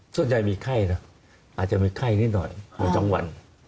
ส่วนใยมีไข้อาจจะมีไข้นิดหน่อย๒วัน